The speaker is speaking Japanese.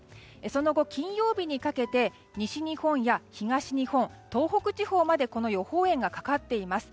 その後、金曜日にかけて西日本や東日本東北地方まで予報円がかかっています。